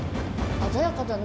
鮮やかだね。